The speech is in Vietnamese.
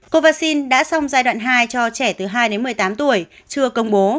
cô vaccine đã xong giai đoạn hai cho trẻ từ hai đến một mươi tám tuổi chưa công bố